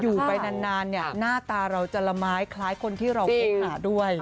อยู่ไปนานเนี่ยหน้าตาเราจะละไม้คล้ายคนที่เราคบหาด้วย